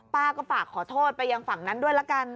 ป้าก็ฝากขอโทษไปยังฝั่งนั้นด้วยละกัน